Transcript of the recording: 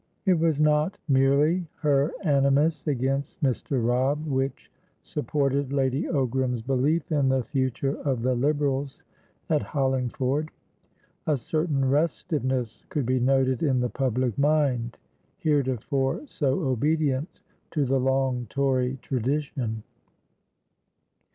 It was not merely her animus against Mr. Robb which supported Lady Ogram's belief in the future of the Liberals at Hollingford. A certain restiveness could be noted in the public mind, heretofore so obedient to the long Tory tradition.